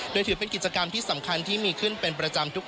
โดยถือเป็นกิจกรรมที่สำคัญที่มีขึ้นเป็นประจำทุกปี